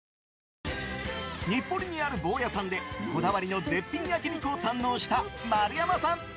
日暮里にある房家さんでこだわりの絶品焼き肉を堪能した丸山さん。